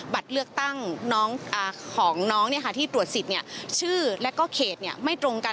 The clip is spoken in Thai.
บัตรเลือกตั้งของน้องที่ตรวจสิทธิ์ชื่อและก็เขตไม่ตรงกัน